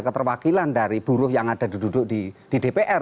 keterwakilan dari buruh yang ada duduk di dpr